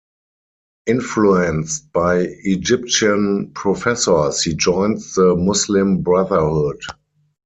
Influenced by Egyptian professors, he joined the Muslim Brotherhood.